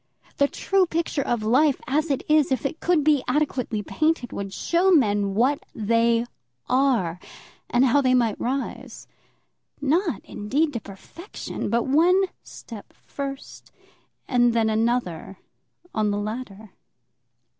The true picture of life as it is, if it could be adequately painted, would show men what they are, and how they might rise, not, indeed, to perfection, but one step first, and then another, on the ladder.